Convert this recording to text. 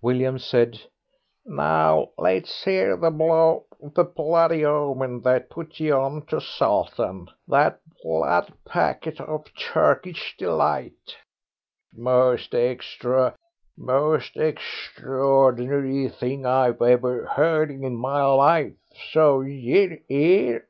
William said, "Now let's 'ear the blo the bloody omen that put ye on to Sultan that blood packet of Turkish Delight." "Most extra most extraordinary thing I ever heard in my life, so yer 'ere?"